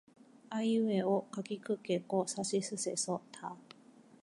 あいうえおかきくけこさしすせそた